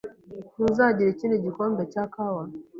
Ntuzagira ikindi gikombe cya kawa?